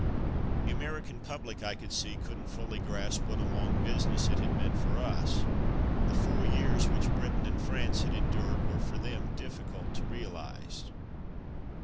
The American public, I could see, couldn't fully grasp what a long business it had meant for us. The four years which Britain and France had en dured were, for them, difficult to realize.